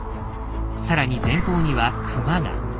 更に前方にはクマが。